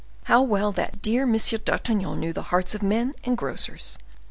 How well that dear Monsieur d'Artagnan knew the hearts of men and grocers!